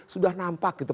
sudah nampak itu